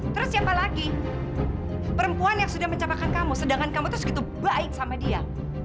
terus siapa lagi perempuan yang sudah mencapakan kamu sedangkan kamu tuh segitu baik sama dia